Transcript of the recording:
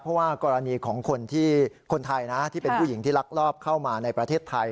เพราะว่ากรณีของคนที่คนไทยนะที่เป็นผู้หญิงที่ลักลอบเข้ามาในประเทศไทย